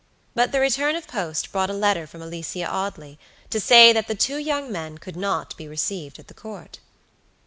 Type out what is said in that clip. But the return of post brought a letter from Alicia Audley, to say that the two young men could not be received at the Court.